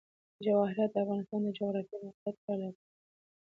جواهرات د افغانستان د جغرافیایي موقیعت پایله ده.